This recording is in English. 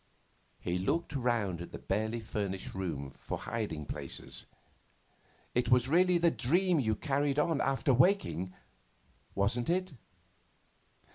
He looked round at the barely furnished room for hiding places. 'It was really the dream you carried on after waking, wasn't it?